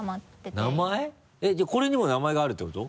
じゃあこれにも名前があるってこと？